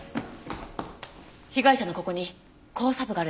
被害者のここに交叉部があるでしょ？